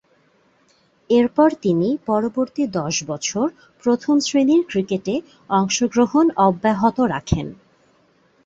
এরপর তিনি পরবর্তী দশ বছর প্রথম-শ্রেণীর ক্রিকেটে অংশগ্রহণ অব্যাহত রাখেন।